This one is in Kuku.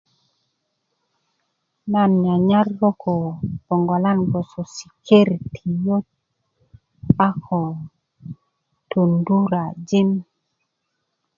nan nyanyar gboŋ ko boŋgolan gboso sikertiyöt a ko tondurajin